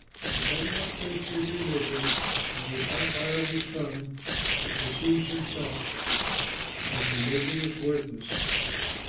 If any one thinks he is religious and does not bridle his tongue but deceives himself, his religion is worthless.